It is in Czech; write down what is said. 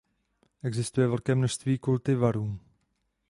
Existuje velké množství kultivarů.